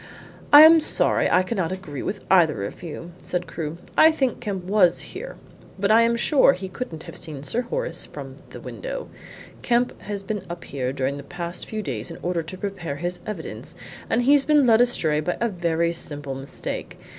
"I am sorry I cannot agree with either of you," said Crewe. "I think Kemp was here, but I am sure he couldn't have seen Sir Horace from the window. Kemp has been up here during the past few days in order to prepare his evidence, and he's been led astray by a very simple mistake.